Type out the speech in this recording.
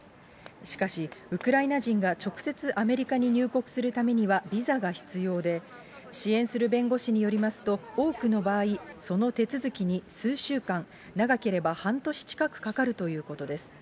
しかし、ウクライナ人が直接アメリカに入国するためにはビザが必要で、支援する弁護士によりますと、多くの場合、その手続きに数週間、長ければ半年近くかかるということです。